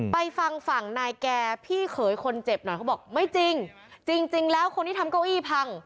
ไปฟังฝั่งนายแก่พี่เขยคนเจ็บหน่อยเขาบอกไม่จริงจริงแล้วคนที่ทำเก้าอี้พัง